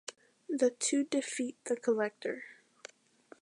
The two defeat The Collector.